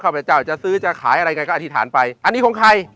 พเจ้าจะซื้อจะขายอะไรกันก็อธิษฐานไปอันนี้ของใคร